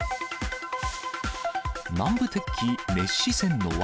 南部鉄器熱視線の訳。